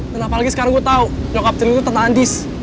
dan apalagi sekarang gue tau nyokap cendil itu tante andis